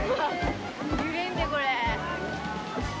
揺れんでこれ」